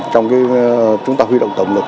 trong khi chúng ta huy động tổng lực